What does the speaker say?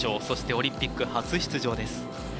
そして、オリンピック初出場です。